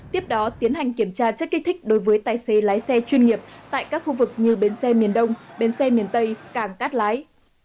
tiếp đó tiến hành kiểm tra chất kích thích đối với tài xế lái xe chuyên nghiệp tại các khu vực như bến xe miền đông bến xe miền tây cảng cát lái